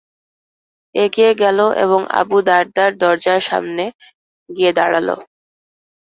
এগিয়ে গেল এবং আবু দারদার দরজার সামনে গিয়ে দাঁড়াল।